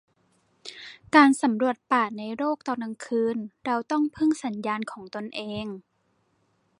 การสำรวจป่าในโลก ตอนกลางคืน เราต้องพึ่งสัญญาณของตนเอง